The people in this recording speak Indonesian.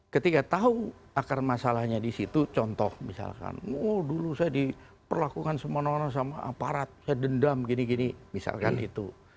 ketika tahu akar masalahnya di situ contoh misalkan oh dulu saya diperlakukan semono sama aparat saya dendam gini gini misalkan itu